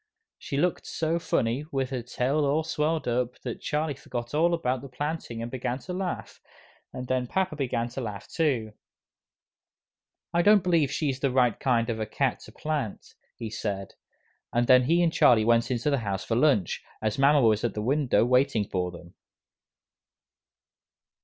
She looked so funny, with her tail all swelled up, that Charlie forgot all about the planting and began to laugh, and then papa began to laugh too. "I don't believe she's the right kind of a cat to plant," he said, and then he and Charlie went into the house for lunch, as mama was at the window waiting for them.